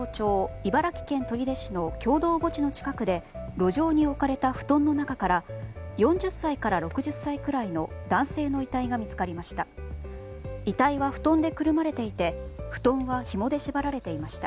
茨城県取手市の共同墓地の近くで路上に置かれた布団の中から４０歳から６０歳くらいの男性の遺体が見つかりました。